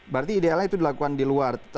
berarti idealnya itu dilakukan di luar